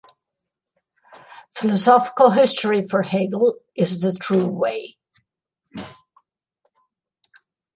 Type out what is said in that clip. Philosophical history for Hegel, is the true way.